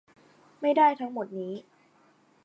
ไม่ได้ทั้งหมดนี้